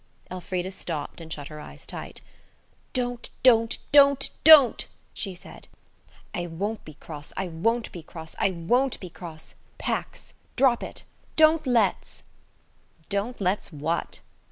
Elfrida stopped and shut her eyes tight. "Don't, don't, don't, don't!" she said. "I won't be cross, I won't be cross, I won't be cross! Pax. Drop it. Don't let's! "Don't let's what?"